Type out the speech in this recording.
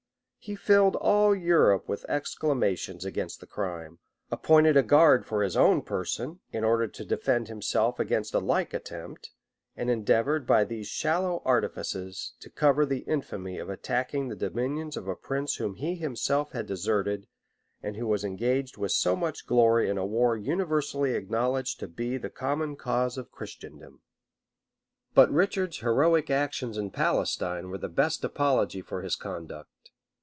He filled all Europe with exclamations against the crime; appointed a guard for his own person, in order to defend himself against a like attempt; and endeavored, by these shallow artifices, to cover the infamy of attacking the dominions of a prince whom he himself had deserted, and who was engaged with so much glory in a war universally acknowledged to be the common cause of Christendom. [* Vinisauf, p. 391.] [ Brompton, p. 1248.] But Richard's heroic actions in Palestine were the best apology for his conduct.